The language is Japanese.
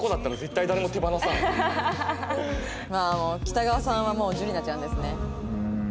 北川さんはもうじゅりなちゃんですね。